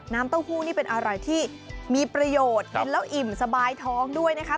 เต้าหู้นี่เป็นอะไรที่มีประโยชน์เห็นแล้วอิ่มสบายท้องด้วยนะคะ